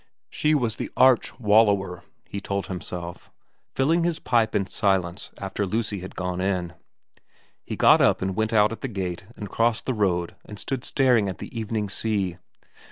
She was the arch wallower, he told himself, filling his pipe in silence after Lucy had gone in. He got up and went out at the gate and crossed the road and stood staring at the evening sea.